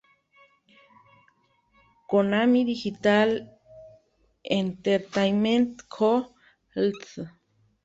Konami Digital Entertainment Co., Ltd.